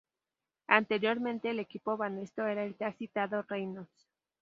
Anteriormente el equipo Banesto era el ya citado Reynolds.